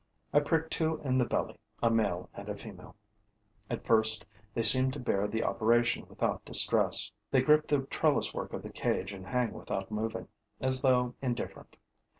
I prick two in the belly, a male and a female. At first, they seem to bear the operation without distress. They grip the trellis work of the cage and hang without moving, as though indifferent.